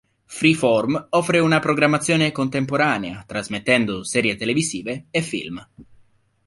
Freeform offre una programmazione contemporanea, trasmettendo serie televisive e film.